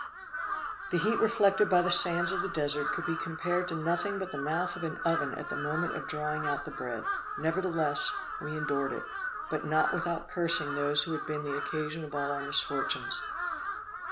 The heat reflected by the sands of the Desert could be compared to nothing but the mouth of an oven at the moment of drawing out the bread; nevertheless, we endured it; but not without cursing those who had been the occasion of all our misfortunes.